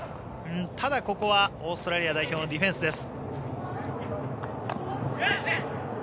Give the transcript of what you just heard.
ただ、ここはオーストラリア代表のディフェンスです。